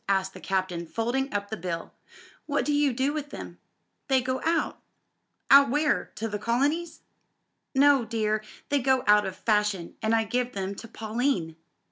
asked the Captain, folding up the bill; "what do you do with them?" "They go out." "Out where? To the colonies?" "No, dear; they go out of fashion; and I give them to Pauline."